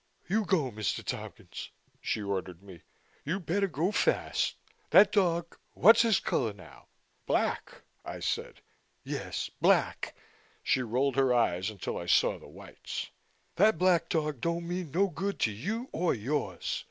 "You go, Mr. Tompkins," she ordered me. "You better go fast. That dog wha's his color now?" "Black," I said. "Yes, black," She rolled her eyes until I saw the whites. "That black dog don' mean no good to you or yours.